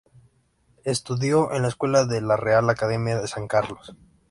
Estudió en la escuela de la Real Academia de San Carlos.